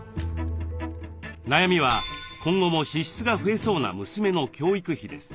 悩みは今後も支出が増えそうな娘の教育費です。